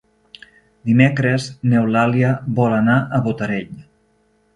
Dimecres n'Eulàlia vol anar a Botarell.